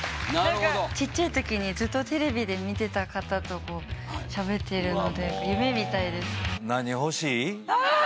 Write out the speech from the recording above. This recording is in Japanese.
何かちっちゃいときにずっとテレビで見てた方としゃべっているので。